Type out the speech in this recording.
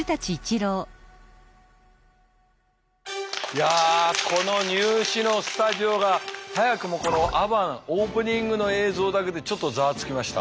いやこの「ニュー試」のスタジオが早くもこのアバンオープニングの映像だけでちょっとざわつきました。